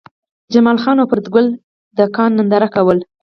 جمال خان او فریدګل د کان ننداره کوله